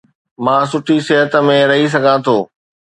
مان سٺي صحت ۾ رهي سگهان ٿو